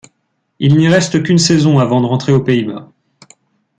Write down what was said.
Il n'y reste qu'une saison avant de rentrer aux Pays-Bas.